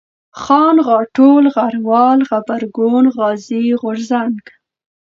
خان ، غاټول ، غروال ، غبرگون ، غازي ، غورځنگ